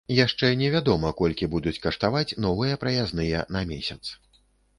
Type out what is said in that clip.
Яшчэ не вядома, колькі будуць каштаваць новыя праязныя на месяц.